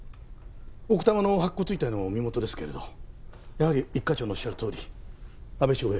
奥多摩の白骨遺体の身元ですけれどやはり一課長のおっしゃるとおり阿部祥平。